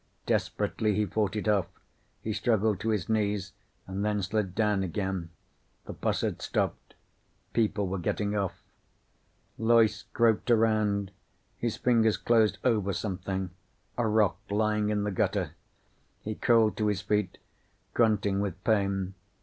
Desperately, he fought it off. He struggled to his knees and then slid down again. The bus had stopped. People were getting off. Loyce groped around. His fingers closed over something. A rock, lying in the gutter. He crawled to his feet, grunting with pain.